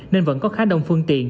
nên vẫn có khá đông phương tiện